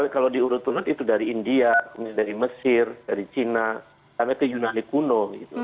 kalau diurut urut itu dari india dari mesir dari china sampai ke yunali kuno